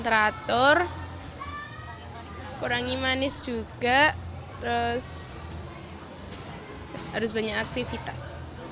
teratur kurangi manis juga terus harus banyak aktivitas